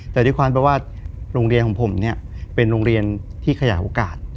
แต่ด้วยความแปลว่าโรงเรียนของผมเนี่ยเป็นโรงเรียนที่ขยายโอกาส